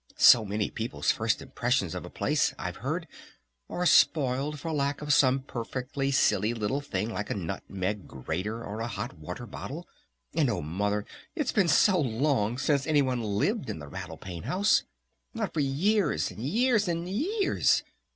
So many people's first impressions of a place I've heard are spoiled for lack of some perfectly silly little thing like a nutmeg grater or a hot water bottle! And oh, Mother, it's been so long since any one lived in the Rattle Pane House! Not for years and years and years!